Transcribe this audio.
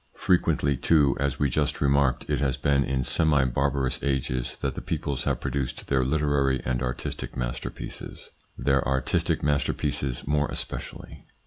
Frequently too, as we just remarked, it has been in semi barbarous ages that the peoples have pro duced their literary and artistic masterpieces their artistic masterpieces more especially.